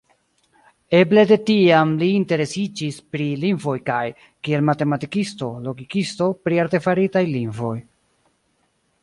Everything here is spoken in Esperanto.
Eble de tiam li interesiĝis pri lingvoj kaj, kiel matematikisto-logikisto, pri artefaritaj lingvoj.